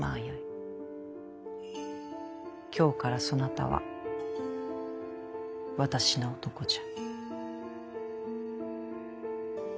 今日からそなたは私の男じゃ。